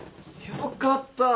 よかったぁ。